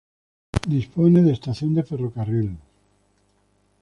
Dispone de estación de ferrocarril.